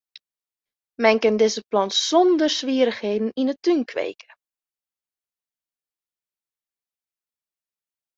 Men kin dizze plant sonder swierrichheden yn 'e tún kweke.